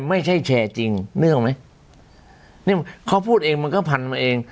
ไม่ใช่แชร์จริงนึกออกไหมนี่เขาพูดเองมันก็พันมาเอง